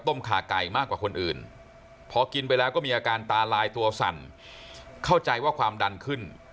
พอกินไปแล้วก็มีอาการตาลายตัวสั่นเข้าใจว่าความดันขึ้น